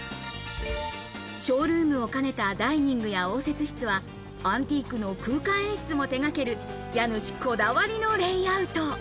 ショールームを兼ねたダイニングや応接室はアンティークの空間演出も手がける家主こだわりのレイアウト。